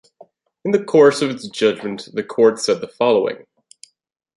In the course of its judgment, the Court said the following.